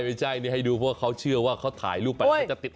ไม่ใช่นี่ให้ดูเพราะเขาเชื่อว่าเขาถ่ายรูปไปแล้วจะติด